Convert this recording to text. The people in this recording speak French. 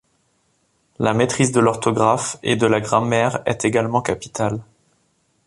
La maîtrise de l'orthographe et de la grammaire est également capitale.